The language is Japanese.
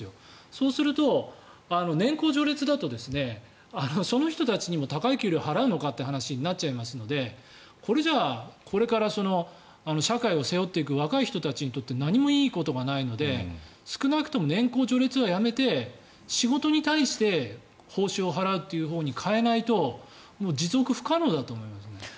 そうすると年功序列だとその人たちにも高い給料を払うのかという話になりますのでこれじゃこれから社会を背負っていく若い人たちにとって何もいいことがないので少なくとも年功序列はやめて仕事に対して報酬を払うほうに変えないともう持続不可能だと思いますね。